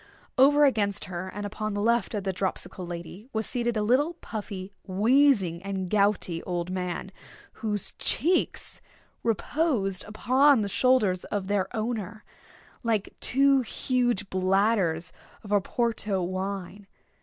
Over against her, and upon the left of the dropsical lady, was seated a little puffy, wheezing, and gouty old man, whose cheeks reposed upon the shoulders of their owner, like two huge bladders of Oporto wine.